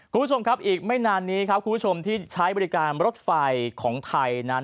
คุณผู้ชมครับอีกไม่นานนี้ครับคุณผู้ชมที่ใช้บริการรถไฟของไทยนั้น